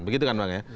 begitu kan bang ya